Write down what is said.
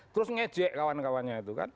terus ngejek kawan kawannya itu kan